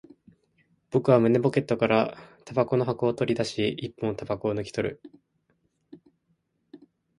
僕は胸ポケットから煙草の箱を取り出し、一本煙草を抜き取る